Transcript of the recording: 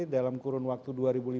dalam kurun waktu dua ribu lima belas